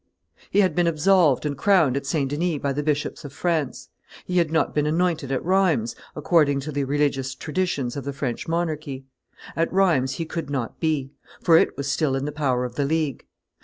He had been absolved and crowned at St. Denis by the bishops of France; he had not been anointed at Rheims, according to the religious traditions of the French monarchy. At Rheims he could not be; for it was still in the power of the League.